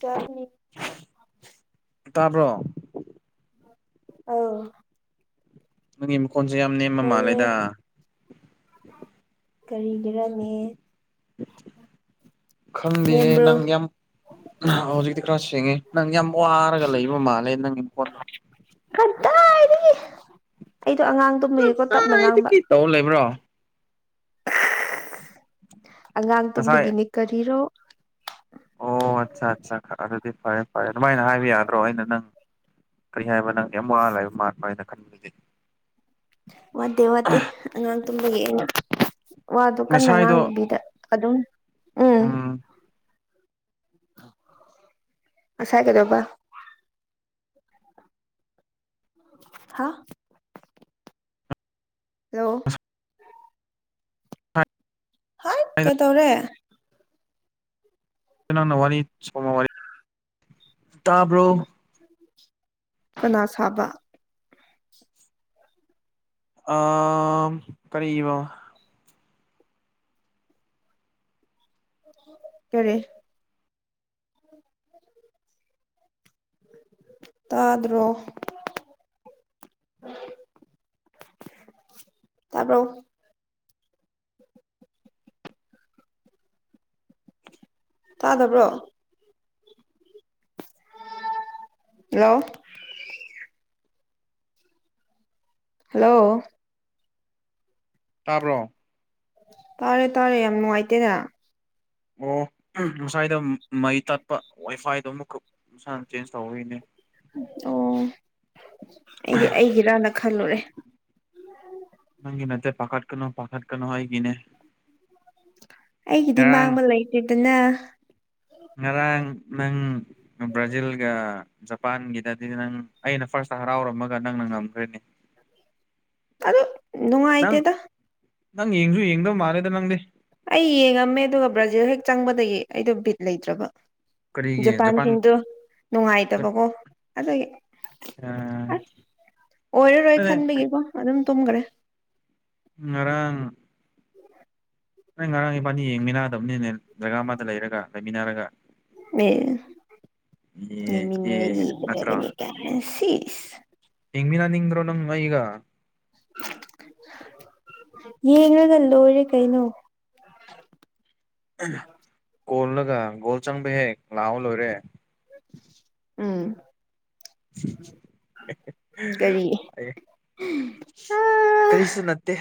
Journey ꯇꯔꯕꯣ ꯑ ꯅꯪꯒꯤ ꯃꯈꯣꯟꯁꯦ ꯌꯥꯝ ꯅꯦꯝꯃ ꯃꯥꯜꯂꯦꯗ ꯀꯔꯤ ꯂꯩꯔꯝꯃꯦ ꯈꯪꯗꯦꯍꯦ ꯅꯦꯝꯕ꯭ꯔꯣ ꯅꯪ ꯌꯥꯝ ꯍꯧꯖꯤꯛꯇꯤ ꯈꯔ ꯁꯦꯡꯉꯦ ꯅꯪ ꯌꯥꯝ ꯋꯥꯔꯒ ꯂꯩꯕ ꯃꯥꯜꯂꯦ ꯅꯪ ꯏꯣꯟ ꯀꯗꯥꯔꯤ ꯑꯩꯗꯣ ꯑꯉꯥꯡ ꯇꯨꯝꯃꯨꯌꯦꯀꯣ ꯇꯞꯅ ꯉꯥꯡꯕ ꯀꯗꯥꯏꯗꯒꯤ ꯇꯧ ꯂꯩꯕ꯭ꯔꯣ ꯑꯉꯥꯡ ꯉꯁꯥꯏ ꯇꯨꯝꯕꯒꯤꯅꯦ ꯀꯔꯤꯔꯣ ꯑꯣ ꯑꯠꯆꯥ ꯑꯠꯆꯥ ꯑꯗꯨꯗꯤ ꯐꯔꯦ ꯐꯔꯦ ꯑꯗꯨꯃꯥꯏꯅ ꯍꯥꯏꯕ ꯌꯥꯗ꯭ꯔꯣ ꯑꯩꯅ ꯅꯪ ꯀꯔꯤ ꯍꯥꯏꯕ ꯅꯪ ꯌꯥꯝ ꯋꯥꯜ ꯂꯩꯕ ꯃꯥꯔꯠ ꯃ ꯍꯥꯏꯅ ꯈꯟꯕꯗꯨꯗꯤ ꯋꯥꯠꯇꯦ ꯋꯥꯠꯇꯦ ꯑꯉꯥꯡ ꯇꯨꯝꯕꯒꯤ ꯑꯉ ꯋꯥꯗꯣ ꯀꯟꯅ ꯉꯁꯥꯏꯗꯣ ꯉꯥꯡꯕꯤꯗ ꯑꯗꯨꯝ ꯎꯝ ꯑꯁ ꯍꯥꯏꯒꯦꯗꯕ ꯍꯥ ꯍꯣ ꯍꯥꯏ ꯀꯩ ꯇꯧꯔꯦ ꯅ ꯅꯪꯅ ꯋꯥꯔꯤꯔꯤ ꯁ ꯋꯥꯔꯤ ꯇꯥꯕ꯭ꯔꯣ ꯀꯅꯥ ꯁꯥꯕ ꯑ ꯀꯔꯤꯕ ꯀꯔꯦ ꯎꯝ ꯇꯥꯗ꯭ꯔꯣ ꯇꯄ ꯇꯥꯗꯕ꯭ꯔꯣ ꯍꯜꯂꯣ ꯍꯜꯂꯣ ꯇꯥꯕ꯭ꯔꯣ ꯇꯥꯔꯦ ꯇꯥꯔꯦ ꯌꯥꯝ ꯅꯨꯡꯉꯥꯏꯇꯦꯗ ꯑꯣ ꯉꯁꯥꯏꯗ ꯃꯩ ꯇꯠꯄ ꯋꯥꯏꯐꯥꯏꯗꯣ ꯑꯃꯈꯛ ꯃꯁꯥꯅ ꯆꯦꯟꯖ ꯇꯧꯒꯤꯅꯦ ꯑꯣ ꯑꯩꯗꯤ ꯑꯩꯒꯤꯔꯥꯅ ꯈꯜꯂꯨꯔꯦ ꯅꯪꯒꯤꯅꯦ ꯄꯥꯈꯥꯠ ꯀꯩꯅꯣ ꯄꯥꯈꯥꯠ ꯀꯅꯣ ꯍ ꯀꯅꯦ ꯑꯩꯒꯤꯗꯤ ꯃꯥꯡꯕ ꯂꯩꯇ꯭ꯦꯗꯅ ꯉꯔꯥꯡ ꯅꯪ ꯕ꯭ꯔꯥꯖꯤꯜꯒ ꯖꯄꯥꯟꯒꯤꯗꯗꯤ ꯅꯪ ꯑꯩꯅ ꯐꯥꯔꯁꯇ ꯍꯔꯥꯎꯔꯝꯃꯒ ꯅꯪꯅ ꯉꯝꯈ꯭ꯔꯦꯅꯦ [unintelligible] ꯑꯗꯨ ꯅꯪ ꯅꯨꯡꯉꯥꯏꯇꯦꯗ ꯅꯪ ꯌꯦꯡꯁꯨ ꯌꯦꯡꯗꯧ ꯃꯥꯜꯂꯦꯗ ꯅꯪꯗꯤ ꯑꯩ ꯌꯦꯡꯉꯝꯃꯦ ꯑꯗꯨꯒ ꯕ꯭ꯔꯥꯖꯤꯜ ꯍꯦꯛ ꯆꯪꯕꯗꯒꯤ ꯑꯩꯗꯣ ꯕꯤꯠ ꯂꯩꯇ꯭ꯔꯕ ꯀꯔꯤꯒꯤ ꯖꯄꯥꯟ ꯖꯄꯥꯟꯁꯤꯡꯗꯣ ꯅꯨꯡꯉꯥꯏꯇꯕꯀꯣ ꯑꯗꯨꯒꯤ ꯑꯁ ꯑꯣꯏꯔꯔꯣꯏ ꯑꯗ ꯈꯟꯕꯒꯤꯀꯣ ꯑꯗꯨꯝ ꯇꯨꯝꯈ꯭ꯔꯦ ꯉꯥꯡ ꯅ ꯉꯔꯥꯡ ꯄꯥꯅꯤ ꯌꯦꯡꯃꯤꯟꯅꯗꯕꯅꯤꯅꯦ ꯖꯒꯥ ꯑꯃꯗ ꯂꯩꯔꯒ ꯂꯩꯃꯤꯟꯅꯔꯒ ꯑꯦ ꯑꯦ ꯃꯤꯟꯅ ꯅꯠꯇ꯭ꯔꯣ ꯀꯕꯅꯤ ꯀ ꯁꯤ ꯍꯃꯤ ꯅ ꯅꯤꯡꯤꯡ꯭ꯔꯣ ꯅꯪ ꯏꯒ ꯌꯦꯡꯉꯒ ꯂꯣꯏꯔꯦ ꯀꯩꯅꯣ ꯀꯣꯜꯂꯒ ꯒꯣꯜ ꯆꯪꯕ ꯍꯦꯛ ꯂꯥꯛꯑꯣ ꯂꯣꯏꯔꯦ ꯎꯝ ꯀꯔꯤ [unintelligible] ꯀꯔꯤꯁꯨ ꯅꯠꯇꯦ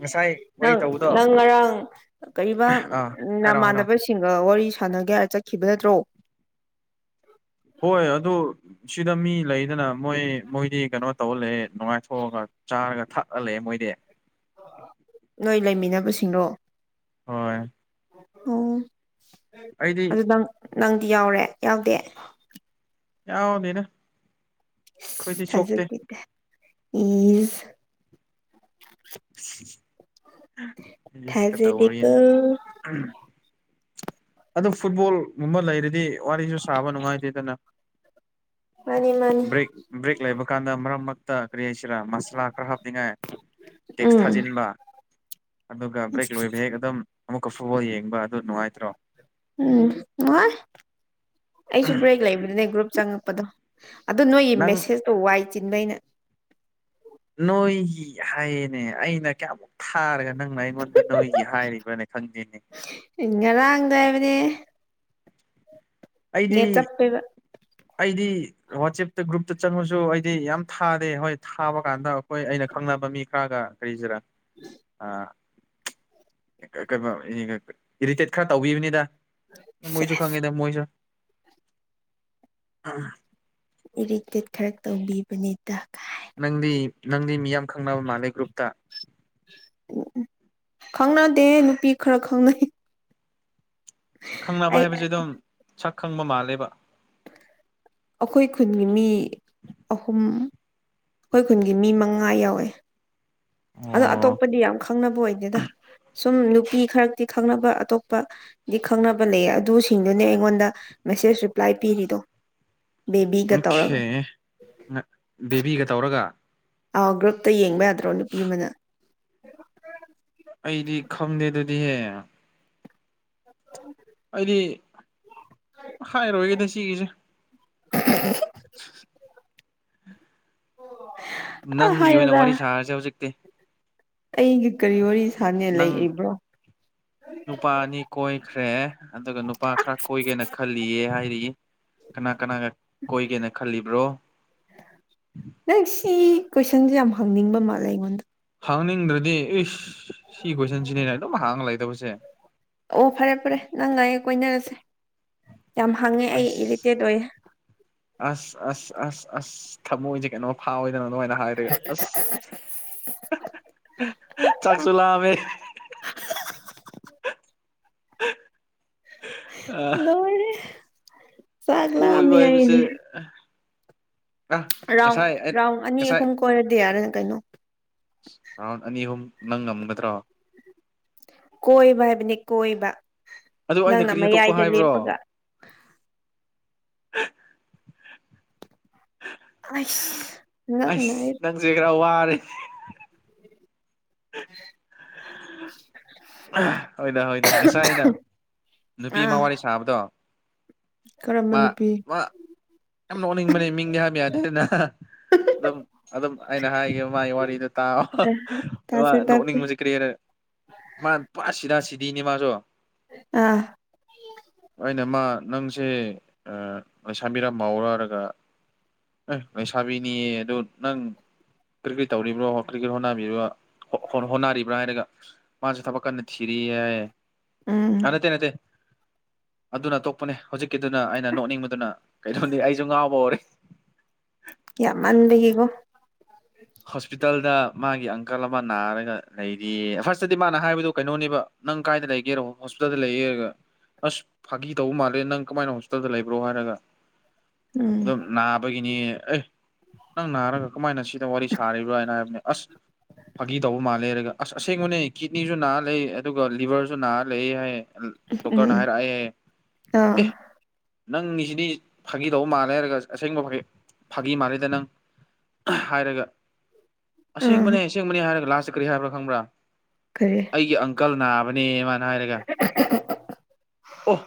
ꯉꯁꯥꯏ ꯋꯥꯔꯤ ꯅꯪ ꯇꯧꯕꯗꯣ ꯅꯪ ꯉꯔꯥꯡ ꯀꯩꯕ ꯎꯝ ꯑꯥ ꯍꯥꯏꯔꯛꯑꯣ ꯍꯥꯏꯔꯛꯑꯣ ꯅꯃꯥꯟꯅꯕꯁꯤ ꯑꯤꯡꯒ ꯋꯥꯔꯤ ꯁꯥꯟꯅꯒꯦ ꯍꯥꯏꯔ ꯆꯠꯈꯤꯕ ꯅꯠꯇ꯭ꯔꯣ ꯍꯣꯏ ꯑꯗꯨꯔ ꯁꯤꯗ ꯃꯤ ꯂꯩꯗꯅ ꯃꯣꯏ ꯃꯣꯏꯗꯤ ꯀꯩꯅꯣ ꯇꯧꯑ ꯂꯩꯌꯦ ꯅꯨꯡꯉꯥꯏꯊꯣꯛꯑꯒ ꯆꯥꯔꯒ ꯊꯛꯄ ꯂꯩꯌꯦ ꯃꯣꯏꯗꯤ ꯅꯣꯏ ꯂꯩꯃꯤꯟꯅꯕꯁꯤꯡꯔꯣ ꯍꯣꯏ ꯑꯣ ꯑꯩꯗꯤ ꯑꯗꯨ ꯅꯪ ꯅꯪꯗꯤ ꯌꯥꯎꯔꯦ ꯌꯥꯎꯗꯦ ꯌꯥꯎꯗꯦꯗ ꯍꯖ ꯊꯥꯖꯗꯦꯖ ꯏꯖ [inaudible] ꯊꯥꯖꯗꯦꯀꯣ ꯑꯝ ꯑꯗꯨ ꯐꯨꯠꯕꯣꯜꯒꯨꯝꯕ ꯂꯩꯔꯗꯤ ꯋꯥꯔꯤꯁꯨ ꯁꯥꯕ ꯅꯨꯡꯉꯥꯏꯇꯦꯗꯅ ꯃꯥꯅꯤ ꯃꯥꯅꯤ ꯕ꯭ꯔꯦꯛ ꯕ꯭ꯔꯦꯛ ꯂꯩꯕ ꯀꯥꯟꯗ ꯃꯔꯛ ꯃꯔꯛꯇ ꯀꯔꯤ ꯍꯥꯏꯁꯤꯔꯥ ꯃꯥꯁꯂꯥ ꯈꯔ ꯍꯥꯞꯅꯤꯡꯉꯥꯏ ꯇꯦꯛꯁ ꯎꯝ ꯊꯥꯖꯤꯟꯕ ꯑꯗꯨꯒ ꯕ꯭ꯔꯦꯛ ꯂꯣꯏꯕ ꯍꯦꯛ ꯑꯗꯨꯝ ꯑꯃꯨꯛꯀ ꯐꯨꯠꯕꯣꯜ ꯌꯦꯡꯕ ꯑꯗꯨ ꯅꯨꯡꯉꯥꯏꯇ꯭ꯔꯣ ꯎꯝ ꯅꯨꯡꯉꯥꯏ ꯑꯩꯁꯨ ꯕ꯭ꯔꯦꯛ ꯂꯩꯕꯅꯤꯅꯦ ꯒ꯭ꯔꯨꯞ ꯆꯪꯉꯛꯄꯗꯣ ꯑꯗꯨ ꯅꯣꯏꯒꯤ ꯅꯪ ꯃꯦꯁꯦꯁꯇꯣ ꯋꯥꯏ ꯆꯤꯟꯕꯩꯅꯦ ꯅꯣꯏꯒꯤ ꯍꯥꯏꯌꯦꯅꯦ ꯑꯩꯅ ꯀꯌꯥꯃꯨꯛ ꯊꯥꯔꯒ ꯅꯪꯅ ꯑꯩꯉꯣꯟꯗ ꯅꯣꯏꯒꯤ ꯍꯥꯏꯔꯤꯕ꯭ꯔꯥꯅꯦ ꯈꯪꯗꯦꯅꯦ ꯏꯟ ꯉꯔꯥꯡꯗꯣ ꯍꯥꯏꯕꯅꯦꯍꯦ ꯑꯩꯗꯤ ꯆꯞꯄꯦꯕ ꯑꯩꯗꯤ ꯋꯥꯆꯦꯞꯇ ꯒ꯭ꯔꯨꯞꯇ ꯆꯪꯉꯨꯆꯣ ꯑꯩꯗꯤ ꯌꯥꯝ ꯊꯥꯗꯦ ꯍꯣꯏ ꯊꯥꯕ ꯀꯥꯟꯗ ꯑꯈꯣꯏ ꯑꯩꯅ ꯈꯪꯅꯕ ꯃꯤ ꯁꯥꯒ ꯔꯩꯖꯤꯔꯥ ꯑ ꯀꯩꯕꯥꯎ ꯏꯔꯤꯇꯦꯠ ꯈꯔ ꯇꯧꯕꯤꯕꯅꯤꯗ ꯃꯣꯏꯁꯨ ꯁꯦꯁ ꯈꯪꯉꯦꯗ ꯃꯣꯏꯁꯨ ꯑꯥ ꯏꯔꯤꯇꯦꯠ ꯈꯔ ꯇꯧꯕꯤꯕꯅꯦ ꯗ ꯀꯥꯏ ꯅꯪꯗꯤ ꯅꯪꯗꯤ ꯃꯤꯌꯥꯝ ꯈꯪꯅꯕ ꯃꯥꯜꯂꯦ ꯒ꯭ꯔꯨꯞꯇ ꯎꯑꯨꯝ ꯈꯪꯅꯗꯦ ꯅꯨꯄꯤ ꯈꯔ ꯈꯪꯅꯩ ꯈꯪꯅꯕ ꯑꯩ ꯍꯥꯏꯕꯖꯦ ꯑꯗꯨꯝ ꯁꯛ ꯈꯪꯕ ꯃꯥꯜꯂꯦꯕ ꯑꯈꯣꯏ ꯈꯨꯟꯒꯤ ꯃꯤ ꯑꯍꯨꯝ ꯑꯈꯣꯏ ꯈꯨꯟꯒꯤ ꯃꯤ ꯃꯉꯥ ꯌꯥꯎꯋꯦ ꯑꯗꯣ ꯑꯣ ꯑꯇꯣꯞꯄꯗꯤ ꯌꯥꯝ ꯈꯪꯅꯕ ꯑꯣꯏꯗꯦꯗ ꯁꯨꯝ ꯅꯨꯄꯤ ꯈꯔꯛꯇꯤ ꯈꯪꯅꯕ ꯑꯇꯣꯞꯄ ꯗꯤ ꯈꯪꯅꯕ ꯂꯩꯌꯦ ꯑꯗꯨꯁꯤꯡꯗꯨꯅꯦ ꯑꯩꯉꯣꯟꯗ ꯃꯦꯁꯦꯁ ꯔꯤꯄ꯭ꯂꯥꯏ ꯄꯤꯔꯤꯗꯣ ꯕꯦꯕꯤꯒ ꯇꯧꯔꯒ ꯃꯨꯈꯦ ꯕꯦꯕꯤꯒ ꯇꯧꯔꯒ ꯑꯧ ꯒ꯭ꯔꯨꯞꯇ ꯌꯦꯡꯕ ꯌꯥꯗ꯭ꯔꯣ ꯅꯨꯄꯤ ꯑꯃꯅ ꯑꯩꯗꯤ ꯈꯪꯗꯦ ꯑꯗꯨꯗꯤꯍꯦ [unintelligible] ꯑꯩꯗꯤ ꯍꯥꯏꯔꯣꯏꯒꯦꯗ ꯁꯤꯒꯤꯖꯦ [unintelligible] ꯑ ꯅꯪꯒꯤ ꯑꯣꯏꯅ ꯍꯥꯏꯌꯨꯗ ꯋꯥꯔꯤ ꯁꯥꯔꯁꯦ ꯍꯧꯖꯤꯛꯇꯤ ꯑꯩꯒꯤ ꯀꯔꯤ ꯋꯥꯔꯤ ꯁꯥꯅꯤꯉꯥꯏ ꯅꯪ ꯂꯩꯔꯤꯕ꯭ꯔꯣ ꯅꯨꯄꯥ ꯑꯅꯤ ꯀꯣꯏꯈ꯭ꯔꯦ ꯑꯗꯨꯒ ꯅꯨꯄꯥ ꯈꯔ ꯀꯣꯏꯒꯦꯅ ꯈꯜꯂꯤꯌꯦ ꯍꯥꯏꯔꯤꯌꯦ ꯀꯅꯥ ꯀꯅꯥꯒ ꯀꯣꯏꯒꯦꯅ ꯈꯜꯂꯤꯕ꯭ꯔꯣ ꯅꯪ ꯁꯤ ꯀꯣꯏꯁꯟꯁꯦ ꯌꯥꯝ ꯍꯪꯅꯤꯡꯕ ꯃꯥꯜꯂꯦ ꯑꯩꯉꯣꯟꯗ ꯍꯪꯅꯤꯡꯗ꯭ꯔꯗꯤ ꯏꯁ ꯁꯤ ꯀꯣꯏꯁꯟꯁꯤꯅꯤꯅꯦ ꯑꯗꯨꯝ ꯍꯪ ꯂꯩꯗꯧꯕꯁꯦ ꯑꯣ ꯐꯔꯦ ꯐꯔꯦ ꯅꯪ ꯑꯩꯒ ꯀꯣꯏꯅꯔꯁꯦ ꯌꯥꯝ ꯍꯪꯉꯦ ꯑꯩ ꯑꯁ ꯏꯔꯤꯇꯦꯠ ꯑꯣꯏꯌꯦ ꯑꯁ ꯑꯁ ꯑꯁ ꯑꯁ ꯊꯃꯣꯏꯁꯦ ꯀꯩꯅꯣꯝ ꯄꯥꯎꯔꯦꯗꯦ ꯅꯣꯏꯅ ꯍꯥꯏꯔꯒꯦ ꯑꯁ ꯆꯥꯛꯁꯨ ꯂꯥꯝꯃꯦ ꯂꯣꯏꯔꯦ ꯆꯥꯛ ꯂꯥꯝꯃꯦ ꯀꯣꯏꯕ ꯍꯥꯏꯕꯁꯦ ꯍꯥꯏꯅꯦ ꯑ ꯔꯥꯎꯟ ꯉꯁꯥꯏ ꯑꯩꯅ ꯔꯥꯎꯟ ꯑꯅꯤ ꯉꯁꯥꯏ ꯑꯍꯨꯝ ꯀꯣꯏꯔꯗꯤ ꯌꯥꯔꯦꯅ ꯀꯩꯅꯣ ꯔꯥꯎꯟ ꯑꯅꯤ ꯑꯍꯨꯝ ꯅꯪ ꯉꯝꯒꯗ꯭ꯔꯣ ꯀꯣꯏꯕ ꯍꯥꯏꯕꯅꯤ ꯀꯣꯏꯕ ꯑꯗꯨ ꯑꯩꯅ ꯅꯪꯅ ꯀꯔꯤ ꯑꯇꯣꯞꯄ ꯃꯌꯥꯏꯗ ꯍꯥꯏꯕ꯭ꯔꯣ ꯂꯦꯞꯄꯒ ꯑꯁ ꯉꯛ ꯑꯁ ꯅꯥꯥꯏꯌꯦ [unintelligible] [inaudible] ꯍꯣꯏꯗ ꯍꯣꯏꯗ ꯉꯁꯥꯏ ꯑꯩꯅ ꯅꯨꯄꯤ ꯑꯥ ꯑꯃ ꯋꯥꯔꯤ ꯁꯥꯕꯗꯣ ꯀꯔꯝꯕ ꯃꯥ ꯅꯨꯄꯤ ꯃꯥ ꯌꯥꯝ ꯅꯣꯛꯅꯤꯡꯕꯅꯦ ꯃꯤꯡꯗꯤ ꯍꯥꯏꯕ ꯌꯥꯗꯦꯅ ꯑꯗꯨꯝ ꯑꯗꯨꯝ ꯑꯩꯅ ꯍꯥꯏꯒꯦꯕ ꯃꯥꯒꯤ ꯋꯥꯔꯤꯗꯣ ꯇꯥꯎ ꯑꯦ ꯇꯥꯁꯦ ꯇꯥꯁꯦ ꯅꯣꯛꯅꯤꯡꯕꯁꯤ ꯀꯔꯤꯅ ꯃꯥꯁꯨ ꯁꯤꯗꯥ ꯁꯤꯗꯤꯅꯦ ꯃꯥꯁꯨ ꯑꯥ ꯑꯅꯥ ꯃꯥ ꯅꯪꯁꯦ ꯑ ꯂꯩꯁꯥꯕꯤꯔ ꯃꯧꯔ ꯍꯥꯏꯔꯒ ꯑꯍ ꯂꯩꯁꯥꯕꯤꯅꯤꯌꯦ ꯑꯗꯨ ꯅꯪ ꯀ꯭ꯔꯤꯀꯩ ꯇꯧꯔꯤꯕ꯭ꯔꯣ ꯀ꯭ꯔꯤꯀꯩ ꯍꯣꯠꯅꯕꯤꯔꯤꯕ ꯍꯣꯠ-ꯍꯣꯠꯅꯔꯤꯕ꯭ꯔꯥ ꯍꯥꯏꯔꯒ ꯃꯥꯁꯨꯦ ꯊꯕꯛ ꯀꯟꯅ ꯊꯤꯔꯤꯌꯦ ꯍꯥꯏꯌꯦ ꯑꯥ ꯎꯝ ꯅꯠꯇꯦ ꯅꯠꯇꯦ ꯑꯗꯨꯅ ꯑꯇꯣꯞꯄꯅꯦ ꯍꯧꯖꯤꯛꯀꯤꯗꯨꯅ ꯑꯩꯅ ꯅꯣꯛꯅꯤꯡꯕꯗꯨꯅ ꯀꯩꯅꯣꯅꯤ ꯑꯩꯁꯨ ꯉꯥꯎꯕ ꯍꯧꯔꯦ ꯌꯥꯝꯃꯟꯕꯒꯤꯀꯣ ꯍꯣꯁꯄꯤꯇꯥꯜꯗ ꯃꯥꯒꯤ ꯑꯪꯀꯜ ꯑꯃ ꯅꯥꯔꯒ ꯂꯩꯔꯤꯌꯦ ꯐꯥꯔꯁꯇꯗꯤ ꯃꯥꯅ ꯍꯥꯏꯕꯗꯨ ꯀꯩꯅꯣꯅꯦꯕ ꯅꯪ ꯀꯥꯏꯗ ꯂꯩꯒꯦꯔꯣ ꯍꯣꯁꯄꯤꯇꯥꯜꯗ ꯂꯩꯌꯦꯒ ꯑꯁ ꯐꯥꯒꯤ ꯇꯧꯕ ꯃꯥꯜꯂꯦ ꯅꯪ ꯀꯃꯥꯏꯅ ꯍꯣꯁꯄꯤꯇꯥꯜꯗ ꯂꯩꯕ꯭ꯔꯣ ꯍꯥꯏꯔꯒ ꯎꯝ ꯑꯗꯨꯝ ꯅꯥꯕꯒꯤꯅꯤ ꯑꯦ ꯅꯪ ꯅꯥꯔꯒ ꯀꯃꯥꯏꯅ ꯁꯤ ꯋꯥꯔꯤ ꯁꯥꯔꯤꯕ꯭ꯔꯥ ꯍꯥꯏꯅ ꯍꯥꯏꯕꯅꯤ ꯑꯁ ꯐꯥꯒꯤ ꯇꯧꯕ ꯃꯥꯜꯂꯦ ꯍꯥꯏꯔꯒ ꯑꯁ ꯑꯁꯦꯡꯕꯅꯦ ꯀꯤꯠꯅꯤꯁꯨ ꯅꯥ ꯂꯩ ꯑꯗꯨꯒ ꯂꯤꯚꯔꯁꯨ ꯅꯥꯔ ꯂꯩ ꯍꯥꯏꯌꯦ ꯗꯣꯛꯇꯔꯅ ꯎꯝ ꯍꯥꯏꯔꯛꯑꯦꯌꯦ ꯑꯦ ꯑꯥ ꯅꯪꯒꯤꯁꯤꯗꯤ ꯐꯥꯒꯤ ꯇꯧꯕ ꯃꯥꯜꯂꯦ ꯍꯥꯏꯔꯒ ꯑꯁꯦꯡꯕ ꯐꯥꯒꯤ ꯃꯥꯜꯂꯦꯗ ꯅꯪ ꯍꯥꯏꯔꯒ ꯑꯥ ꯑꯁꯦꯡꯕꯅꯦ ꯑꯁꯦꯡꯕꯅꯦ ꯍꯥꯏꯔꯒ ꯂꯥꯁꯇ ꯀꯔꯤ ꯍꯥꯏꯕ꯭ꯔꯥ ꯈꯪꯕ꯭ꯔꯥ ꯀꯔꯤ ꯑꯩꯒꯤ ꯑꯪꯀꯜ ꯅꯥꯕꯅꯦꯌꯦ ꯃꯥꯅ ꯍꯥꯏꯔꯒ ꯑꯣ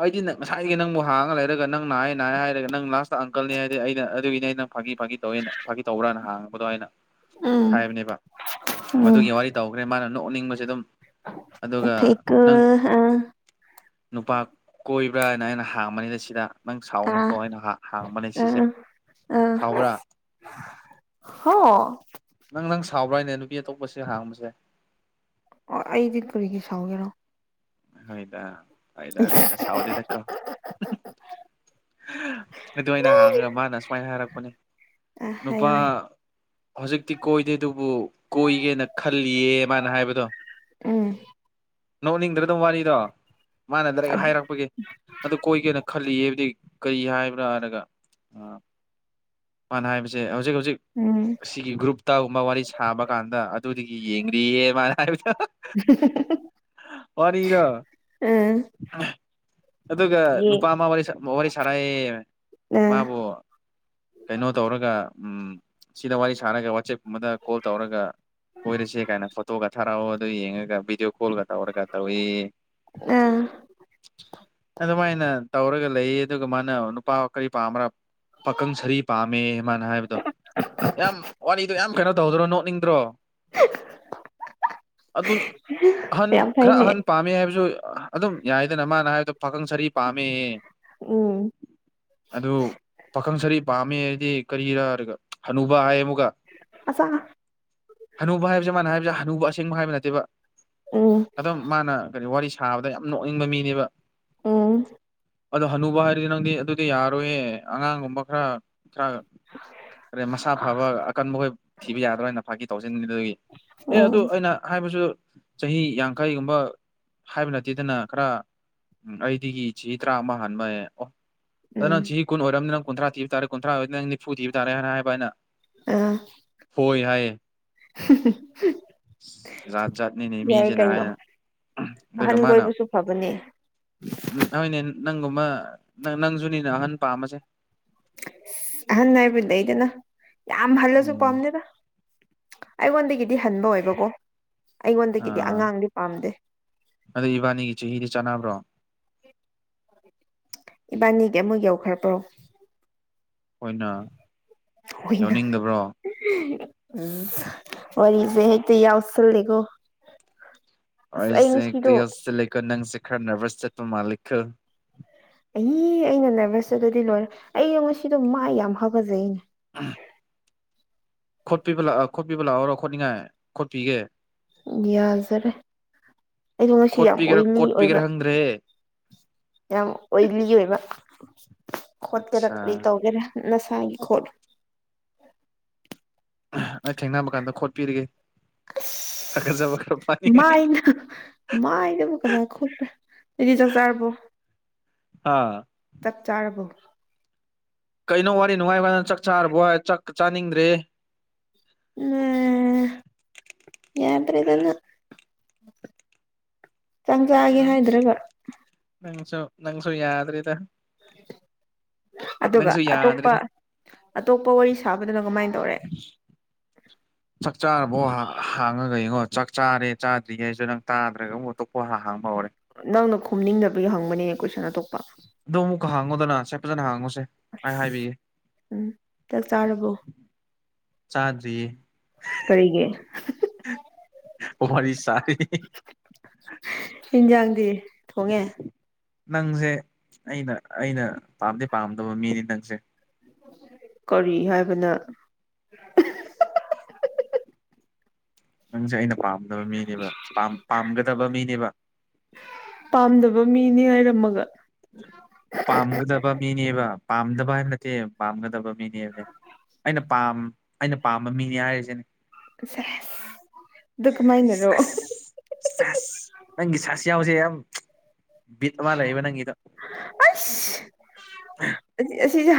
ꯑꯩꯗꯤ ꯅꯪ ꯉꯁꯥꯏꯒꯤ ꯅꯪꯕꯨ ꯍꯥꯡꯉꯒ ꯂꯩꯔꯒ ꯅꯪ ꯅꯥꯏ ꯅꯥꯏ ꯍꯥꯏꯔꯒ ꯅꯪ ꯂꯥꯁꯇ ꯑꯪꯀꯜꯅꯤ ꯍꯥꯏꯔꯗꯤ ꯑꯩꯅ ꯑꯗꯨꯒꯤꯅꯦ ꯑꯩꯅꯪ ꯐꯥꯒꯤ ꯐꯥꯒꯤ ꯇꯧꯋꯦꯅ ꯐꯥꯒꯤ ꯇꯧꯕ꯭ꯔꯅ ꯍꯥꯡꯕꯗꯣ ꯍꯥꯏꯅ ꯎꯝ ꯍꯥꯏꯕꯅꯦꯕ ꯎꯝ ꯃꯗꯨꯒꯤ ꯋꯥꯔꯤ ꯇꯧꯈ꯭ꯔꯦ ꯃꯥꯅ ꯅꯣꯛꯅꯤꯡꯕꯁꯦ ꯑꯗꯨꯝ ꯑꯗꯨꯒ ꯅꯪ [unintelligible] ꯅꯨꯄꯥ ꯀꯣꯏꯕ꯭ꯔꯥꯅ ꯑꯩꯅ ꯍꯥꯡꯕꯅꯤꯗ ꯁꯤꯗ ꯅꯪ ꯁꯥꯎꯅꯨꯀꯣ ꯑꯥ ꯑꯩꯅ ꯍꯥꯡꯕꯅꯦ ꯁꯤꯁꯦ ꯑꯥ ꯑꯥ ꯁꯥꯎꯕ꯭ꯔꯥ ꯍꯣ ꯅꯪ ꯅꯪ ꯁꯥꯎꯕ꯭ꯔꯥꯅꯦ ꯅꯨꯄꯤ ꯑꯇꯣꯞꯄꯁꯤ ꯍꯥꯡꯕꯁꯦ ꯑꯣ ꯑꯩꯗꯤ ꯀ꯭ꯔꯤꯒꯤ ꯁꯥꯎꯒꯦꯔꯣ ꯍꯣꯏꯗ ꯍꯣꯏꯗ ꯍꯣꯏꯗ ꯁꯥꯎꯗꯦꯗꯀꯣ ꯑꯗꯨ ꯑꯩꯅ ꯍꯥꯡꯉꯒ ꯃꯥꯅ ꯁꯨꯃꯥꯏꯅ ꯍꯥꯏꯔꯛꯄꯅꯤ ꯑ ꯍꯥꯏꯌꯣ ꯅꯨꯄꯥ ꯍꯥꯏꯌꯣ ꯍꯧꯖꯤꯛꯇꯤ ꯀꯣꯏꯗꯦ ꯑꯗꯨꯕꯨ ꯀꯣꯏꯒꯦꯅ ꯈꯜꯂꯤꯌꯦ ꯃꯥꯅ ꯍꯥꯏꯕꯗꯣ ꯎꯝ ꯅꯣꯛꯅꯤꯡꯗ꯭ꯔ ꯑꯗꯨꯝ ꯋꯥꯔꯤꯗꯣ ꯃꯥꯅ ꯗꯥꯏꯔꯦꯛ ꯍꯥꯏꯔꯛꯄꯒꯤ ꯑꯗꯨ ꯀꯣꯏꯒꯦꯅ ꯈꯜꯂꯤ ꯍꯥꯏꯕꯗꯤ ꯀꯔꯤ ꯍꯥꯏꯕ꯭ꯔꯥ ꯍꯥꯏꯔꯒ ꯑ ꯃꯥꯅ ꯍꯥꯏꯕꯁꯦ ꯍꯧꯖꯤꯛ ꯍꯧꯖꯤꯛ ꯎꯝ ꯑꯁꯤꯒꯤ ꯒ꯭ꯔꯨꯞꯇꯒꯨꯝꯕ ꯋꯥꯔꯤ ꯁꯥꯕ ꯀꯥꯟꯗ ꯑꯗꯨꯗꯒꯤ ꯌꯦꯡꯔꯤꯌꯦ ꯃꯥꯅ ꯍꯥꯏꯕꯗ ꯍ ꯫ [unintelligible] ꯐꯔ ꯏꯗ ꯎꯝ ꯑꯗꯨꯒ ꯌꯦ ꯅꯨꯄꯥ ꯑꯃ ꯋꯥꯔꯤ ꯋꯥꯔꯤ ꯁꯥꯔꯥꯏ ꯑꯥ ꯃꯥꯕꯨ ꯀꯩꯅꯣ ꯇꯧꯔꯒ ꯎꯝ ꯁꯤꯗ ꯋꯥꯔꯤ ꯁꯥꯔꯒ ꯋꯥꯆꯦꯞꯀꯨꯝꯕꯗ ꯀꯣꯜ ꯇꯧꯔꯒ ꯀꯣꯏꯔꯁꯦ ꯀꯥꯏꯅ ꯐꯣꯇꯣꯒ ꯊꯥꯔꯛꯑꯣ ꯑꯗꯨ ꯌꯦꯡꯉꯒ ꯚꯤꯗꯤꯑꯣ ꯀꯣꯜꯒ ꯇꯧꯔꯒ ꯇꯧꯏ ꯑꯥ ꯑꯗꯨꯃꯥꯏꯅ ꯇꯧꯔꯒ ꯂꯩꯌꯦ ꯑꯗꯨꯒ ꯃꯥꯅ ꯅꯨꯄꯥ ꯀꯔꯤ ꯄꯥꯝꯕ꯭ꯔꯥ ꯄꯥꯀꯪ ꯁꯔꯤ ꯄꯥꯝꯃꯦ ꯃꯥꯅ ꯍꯥꯏꯕꯗꯣ ꯌꯥꯝ ꯋꯥꯔꯤꯗꯣ ꯌꯥꯝ ꯀꯩꯅꯣ ꯇꯧꯗ꯭ꯔꯣ ꯅꯣꯛꯅꯤꯡꯗ꯭ꯔꯣ ꯑꯗꯨ ꯑꯍꯟ ꯌꯥꯝ ꯈꯔ ꯐꯩꯅꯦ ꯑꯍꯟ ꯄꯥꯝꯃꯦ ꯍꯥꯏꯕꯁꯨ ꯑꯗꯨꯝ ꯌꯥꯏꯗꯅ ꯃꯥꯅ ꯍꯥꯏꯕꯗꯣ ꯄꯥꯈꯪ ꯁꯔꯤ ꯄꯥꯝꯃꯦ ꯎꯝ ꯑꯗꯨ ꯄꯥꯈꯪ ꯁꯔꯤ ꯄꯥꯝꯃꯦ ꯍꯥꯏꯗꯤ ꯀꯔꯤꯔꯥꯒ ꯍꯅꯨꯕ ꯍꯥꯏ ꯑꯃꯨꯒ ꯑꯥ ꯍꯅꯨꯕ ꯍꯥꯏꯕꯁꯤꯦ ꯃꯥꯅ ꯍꯥꯏꯁꯦ ꯍꯅꯨ ꯑꯁꯦꯡꯕ ꯍꯥꯏꯕ ꯅꯠꯇꯦꯕ ꯎꯝ ꯑꯗꯨꯝ ꯃꯥꯅ ꯀꯔꯤ ꯋꯥꯔꯤ ꯁꯥꯕꯗ ꯌꯥꯝ ꯅꯣꯛꯅꯤꯡꯕ ꯃꯤꯅꯦꯕ ꯎꯝ ꯑꯗꯣ ꯍꯅꯨꯕ ꯍꯥꯏꯔꯗꯤ ꯅꯪꯗꯤ ꯑꯗꯨꯗꯤ ꯌꯥꯔꯣꯏꯌꯦ ꯑꯉꯥꯡꯒꯨꯝꯕ ꯈꯔ ꯈꯔ ꯀꯔꯤ ꯃꯁꯥ ꯐꯕ ꯑꯀꯟꯕꯈꯣꯏ ꯊꯤꯕ ꯌꯥꯗ꯭ꯔꯣꯏꯅ ꯐꯥꯀꯤ ꯇꯧꯁꯤꯟ ꯑꯗꯨꯒꯤ ꯑꯦ ꯎꯝ ꯑꯗꯨ ꯑꯩꯅ ꯍꯥꯏꯕꯁꯨ ꯆꯍꯤ ꯌꯥꯡꯈꯩꯒꯨꯝꯕ ꯍꯥꯏꯕ ꯅꯠꯇꯦꯗꯅ ꯈꯔ ꯎꯝ ꯑꯩꯗꯒꯤ ꯆꯍꯤ ꯇꯔꯥ ꯑꯃ ꯍꯥꯟꯕ ꯑꯣ ꯑꯗꯨꯗ ꯎꯝ ꯅꯪ ꯆꯍꯤ ꯀꯨ ꯑꯣꯏꯔꯕꯅꯤ ꯅ ꯀꯨꯟꯊ꯭ꯔꯥꯤꯕ ꯇꯥꯔ ꯀꯨꯟ꯭ꯔꯥꯔꯅꯤ ꯅꯪ ꯅꯤꯐꯨ ꯊꯤꯕ ꯇꯥꯔ ꯍꯥꯏꯅ ꯍꯥꯏꯕ ꯑꯩꯅ ꯍꯣꯏ ꯍꯥꯏꯌꯦ ꯑ ꯖꯥꯠ ꯖꯥꯠꯅꯤꯅꯦ ꯌꯥꯏ ꯃꯤꯁꯤꯅ ꯀꯩꯅꯣ ꯍꯥꯏꯅ ꯑꯗꯨꯒ ꯑꯍꯟ ꯃꯥꯅ ꯀꯣꯏꯕꯁꯨ ꯐꯕꯅꯦ ꯑꯩꯣꯏꯅꯦ ꯅꯪꯒꯨꯝꯕ ꯅ ꯅꯪꯁꯨꯅꯤꯅ ꯑꯍꯟ ꯄꯥꯝꯃꯁꯦ ꯑ ꯅꯕꯨꯗꯗꯅ ꯌꯥꯝ ꯐꯜꯁꯨ ꯎꯝ ꯄꯝꯅꯦꯕ ꯑꯩꯉꯣꯟꯗꯒꯤꯗꯤ ꯍꯟꯕ ꯑꯣꯏꯕꯀꯣ ꯑꯩꯉꯣꯟꯗꯒꯤꯗꯤ ꯑꯉꯥꯡꯗꯤ ꯄꯥꯝꯗꯦ ꯑꯗꯨꯗ ꯏꯕꯥꯅꯤꯒꯤ ꯆꯍꯤꯗꯤ ꯆꯥꯅꯕ꯭ꯔꯣ ꯏꯕꯥꯅꯤꯒꯤ ꯑꯃ ꯌꯧꯈ꯭ꯔꯕ꯭ꯔꯣ ꯑꯩꯈꯣꯏꯅ ꯍꯨꯏꯅ ꯌꯥꯎꯅꯤꯡꯗꯕ꯭ꯔꯣ ꯎꯝ ꯋꯥꯔꯤꯔꯤꯁꯦ ꯍꯥꯏ ꯌꯥꯎ ꯆꯜ ꯂꯩꯦꯒꯣ ꯑꯩꯁꯦ ꯍꯦꯛꯇ ꯌꯧꯁꯤꯂꯛꯦꯀꯣ ꯅꯪꯁꯦ ꯈꯔ ꯅꯔꯚꯁ ꯆꯠꯄ ꯃꯥꯜꯂꯤꯈꯣ ꯑꯩ ꯑꯩꯅ ꯅꯕꯁ ꯑꯗꯨꯗꯤ ꯂꯣꯏꯔꯦ ꯑꯩ ꯉꯁꯤꯗꯣ ꯃꯥꯏ ꯌꯥꯝ ꯍꯥ ꯐꯖꯩꯅꯦ ꯎꯝ ꯈꯣꯠꯄꯤꯕ ꯂꯥꯛꯑꯣ ꯈꯣꯠꯄꯤꯕ ꯂꯥꯛꯑꯣꯔꯣ ꯈꯣꯠꯅꯤꯡꯉꯥꯏ ꯈꯣꯠꯄꯤꯒꯦ ꯌꯥꯖꯔꯦ ꯑꯩꯗꯣ ꯉꯁꯤ ꯌꯥꯝ ꯈꯣꯠꯄꯤꯒꯦꯔꯥ ꯑꯣꯏꯅꯤ ꯀꯣꯠꯄꯤꯒꯦꯔꯥ ꯑꯣꯏꯕ ꯈꯪꯗ꯭ꯔꯦ ꯌꯥꯝ ꯑꯣꯏꯂꯤ ꯑꯣꯏꯕ ꯈꯣꯠꯀꯦꯔꯥ ꯑꯠꯆꯥ ꯀꯔꯤ ꯇꯧꯒꯦꯔꯥ ꯉꯁꯥꯏꯒꯤ ꯈꯣꯠ ꯑꯩ ꯊꯦꯡꯅꯕ ꯀꯥꯟꯗ ꯈꯣꯠꯄꯤꯔꯤꯒꯦꯠꯆꯕ ꯑꯁ ꯃꯥꯏꯅ ꯃꯥꯏꯅꯕꯨ ꯀꯅꯥ ꯈꯣꯄ꯭ꯔꯦ ꯍꯥꯏꯗꯤ ꯆꯥꯛ ꯆꯥꯔꯕꯣ ꯑꯥ ꯆꯞ ꯆꯥꯔꯕꯣ ꯀꯩꯅꯣ ꯋꯥꯔꯤ ꯅꯨꯡꯉꯥꯏꯕꯥꯟꯗ ꯆꯥꯛ ꯆꯥꯔꯕꯣ ꯆꯥꯛ ꯆꯥꯅꯤꯡꯗ꯭ꯔꯦ ꯎꯝ ꯌꯥꯗ꯭ꯔꯦꯒꯅ [inaudible] ꯆꯥꯡ ꯆꯥꯒꯦ ꯍꯥꯏꯗ꯭ꯔꯒ ꯅꯪꯁꯨꯣ ꯅꯪꯁꯨꯣ ꯌꯥꯗ꯭ꯔꯗ ꯑꯗꯨꯒ ꯑꯇꯣꯞꯄ ꯑꯇꯣꯞꯄ ꯋꯥꯔꯤ ꯁꯥꯕꯗꯨꯅ ꯀꯃꯥꯏꯅ ꯇꯧꯔꯦ ꯆꯥꯛ ꯆꯥꯔꯕꯣ ꯍꯥꯡꯉꯒ ꯌꯦꯡꯉꯣ ꯆꯥꯛ ꯆꯥꯔꯦ ꯆꯥꯗ꯭ꯔꯤꯒꯩ ꯍꯥꯏꯁꯨ ꯅꯪ ꯇꯥꯗ꯭ꯔꯒ ꯑꯃꯨ [unintelligible] ꯅꯪꯅ ꯈꯣꯝꯅꯤꯡꯗꯕꯒꯤ ꯍꯪꯕꯅꯦꯅꯦ ꯀꯣꯏꯁꯟ ꯑꯇꯣꯞꯄ ꯑꯣ ꯑꯃꯨꯛꯀ ꯍꯥꯡꯉꯣꯗꯅ ꯁꯦ ꯐꯖꯅ ꯍꯥꯡꯉꯨꯁꯦ ꯑꯩ ꯍꯥꯏꯕꯤꯌꯦ ꯑꯁ ꯎꯝ ꯆꯥꯛ ꯆꯥꯔꯕꯣ ꯆꯥꯗ꯭ꯔꯤꯌꯦ ꯀꯔꯤꯒꯤ ꯋꯥꯔꯤ ꯁꯔꯤ ꯏꯟꯖꯥꯡꯗꯤ ꯊꯣꯡꯉꯦ ꯅꯪꯁꯦ ꯑꯩꯅ ꯑꯩꯅ ꯄꯥꯝꯗꯤ ꯄꯥꯝꯗꯕ ꯃꯤꯅꯤ ꯅꯪꯁꯦ ꯀꯔꯤ ꯍꯥꯏꯕꯅ ꯅꯪꯁꯦ ꯑꯩꯅ ꯄꯥꯝꯗꯕ ꯃꯤꯅꯦꯕ ꯄꯝ ꯄꯥꯝꯒꯗꯕ ꯃꯤꯅꯦꯕ ꯄꯥꯝꯗꯕ ꯃꯤꯅꯤ ꯍꯥꯏꯔꯝꯃꯒ ꯄꯥꯝꯒꯗꯕ ꯃꯤꯅꯦꯕ ꯄꯥꯝꯗꯕ ꯍꯥꯏꯕ ꯅꯠꯇꯦ ꯄꯥꯝꯒꯗꯕ ꯃꯤꯅꯤ ꯅꯦ ꯑꯩꯅ ꯄꯥꯝ ꯑꯩꯅ ꯄꯥꯝꯕ ꯃꯤꯅꯦ ꯍꯥꯏꯔꯤꯁꯤꯅꯦ ꯁꯦꯁ ꯑꯗꯨ ꯀꯃꯥꯥꯏꯅꯔꯣ ꯁ‌ꯦꯁ ꯅꯪꯒꯤ ꯆꯁ ꯌꯥꯎꯁꯦ ꯌꯥꯝ ꯕꯤꯠ ꯑꯃ ꯂꯩꯌꯦꯕ ꯅꯪꯒꯤꯗꯣ ꯑꯁ ꯑꯁꯤ ꯍꯁꯤ